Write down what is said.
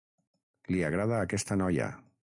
Li agrada aquesta noia.